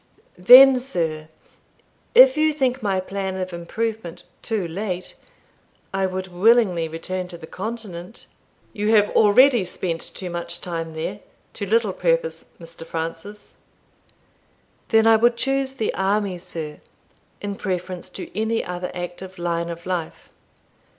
"Then, sir, if you think my plan of improvement too late, I would willingly return to the Continent." "You have already spent too much time there to little purpose, Mr. Francis." "Then I would choose the army, sir, in preference to any other active line of life."